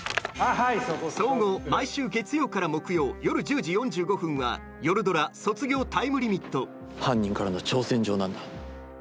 総合毎週月曜から木曜夜１０時４５分は夜ドラ「卒業タイムリミット」犯人からの挑戦状なんだ。